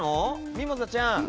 みもざちゃん。